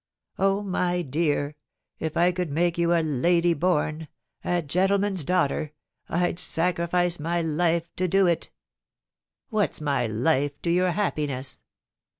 ' Oh, my dear, if I could make you a lady born— a gentleman's daughter — I'd sacrifice my life to do it What's my life to your happiness?